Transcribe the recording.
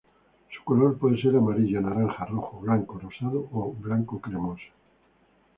Su color puede ser amarillo, naranja, rojo, blanco rosado o blanco cremoso.